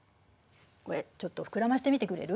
これちょっと膨らませてみてくれる？